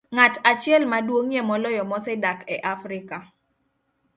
Ng'at achiel maduong'ie moloyo mosedak e Afrika